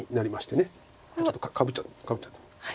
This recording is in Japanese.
あっちょっとかぶっちゃった。